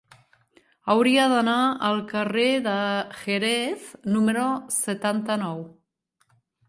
Hauria d'anar al carrer de Jerez número setanta-nou.